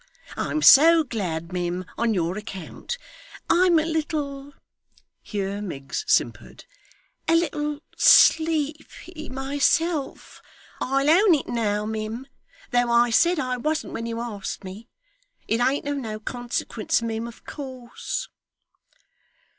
I'm so glad, mim, on your account. I'm a little' here Miggs simpered 'a little sleepy myself; I'll own it now, mim, though I said I wasn't when you asked me. It ain't of no consequence, mim, of course.